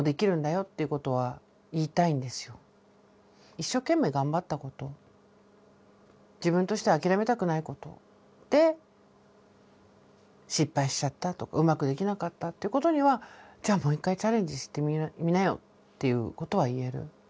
一生懸命頑張ったこと自分としては諦めたくないことで失敗しちゃったとうまくできなかったっていうことにはっていうことは言える。